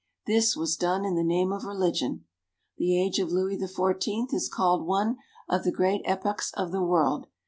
This was done in the name of religion. The age of Louis the Fourteenth is called one of the great epochs of the world.